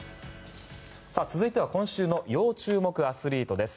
続いては今週の要注目アスリートです。